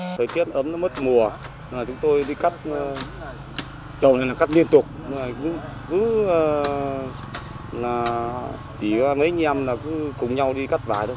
thời tiết ấm mất mùa chúng tôi đi cắt trồng này cắt liên tục chỉ mấy anh em cùng nhau đi cắt vải thôi